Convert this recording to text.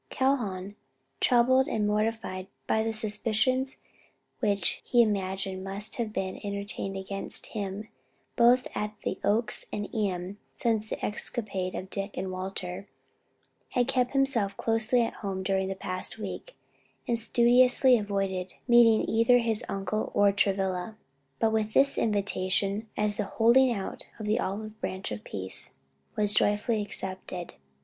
Calhoun, troubled and mortified by the suspicions which he imagined must have been entertained against him at both the Oaks and Ion since the escapade of Dick and Walter, had kept himself closely at home during the past week, and studiously avoided meeting either his uncle or Travilla: but this invitation, as the holding out of the olive branch of peace, was joyfully accepted.